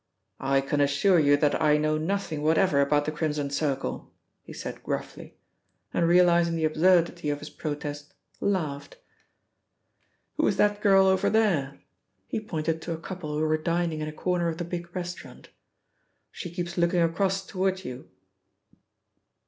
"I can assure you that I know nothing whatever about the Crimson Circle," he said gruffly, and realising the absurdity of his protest, laughed. "Who is that girl over there?" he pointed to a couple who were dining in a corner of the big restaurant. "She keeps looking across toward you."